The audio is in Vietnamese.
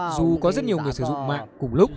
dù có rất nhiều người sử dụng mạng cùng lúc